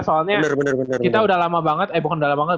soalnya kita udah lama banget eh bukan dalam banget